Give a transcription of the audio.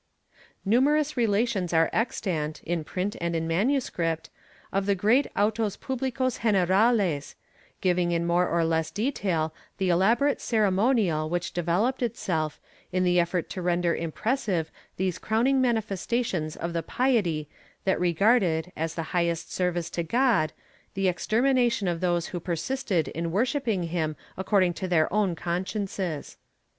^ Numerous relations are extant, in print and in MS., of the great autos puUicos generales, giving in more or less detail the elaborate ceremonial which developed itself, in the effort to render im pressive these crowning manifestations of the piety that regarded, as the highest service to God, the extermination of those who persisted in worshipping him according to their own consciences.